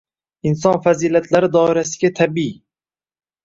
Inson fazilatlari doirasiga tabiiy.